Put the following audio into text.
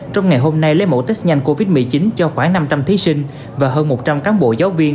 trong ngày hôm nay lấy mẫu test nhanh covid một mươi chín cho khoảng năm trăm linh thí sinh và hơn một trăm linh cán bộ giáo viên